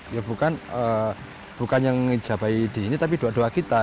ya bukan yang menijabai di sini tapi doa doa kita